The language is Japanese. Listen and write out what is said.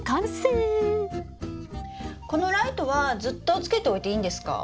このライトはずっとつけておいていいんですか？